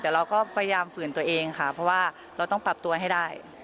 แต่เราก็พยายามฝืนตัวเองค่ะเพราะว่าเราต้องปรับตัวให้ได้